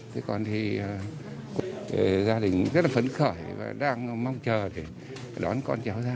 thế còn thì gia đình rất là phấn khởi và đang mong chờ để đón con cháu ra